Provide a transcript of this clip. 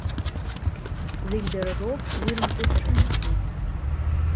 Зегь дара роуп, уи рымпыҵырҟьахуеит…